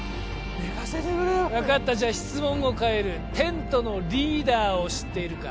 寝かせてくれよ分かったじゃ質問を変えるテントのリーダーを知っているか？